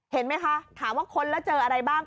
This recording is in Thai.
เห็นไหมคะถามว่าค้นแล้วเจออะไรบ้าง